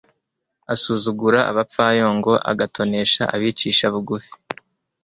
asuzugura abapfayongo, agatonesha abicisha bugufi